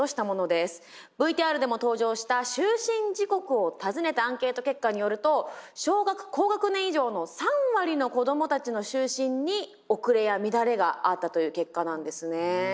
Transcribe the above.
ＶＴＲでも登場した就寝時刻を尋ねたアンケート結果によると小学高学年以上の３割の子どもたちの就寝に遅れや乱れがあったという結果なんですね。